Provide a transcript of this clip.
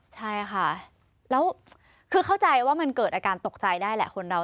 ใช่ค่ะแล้วคือเข้าใจว่ามันเกิดอาการตกใจได้แหละคนเรา